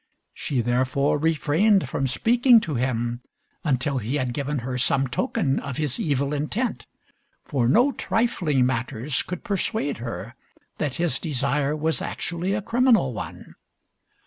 She therefore refrained from speaking to him until he had given her some token of his evil intent, for no trifling matters could persuade her that his desire was actually a criminal one.